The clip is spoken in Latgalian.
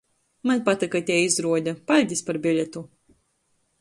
Maņ patyka itei izruode, paļdis par beletu!